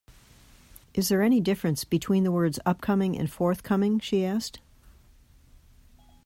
Is there any difference between the words Upcoming and forthcoming? she asked